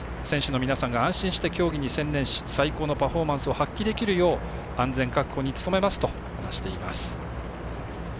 選手の皆さんが競技に専念し最高のパフォーマンスを発揮できるよう安全確保に努めますと話しています。